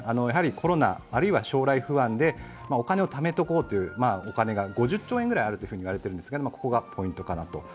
コロナあるいは将来不安でお金を貯めておこうというお金が５０兆円ぐらいあると言われているんですが、ここがポイントかなと。